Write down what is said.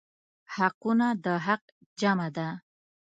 حقونه د حق جمع ده.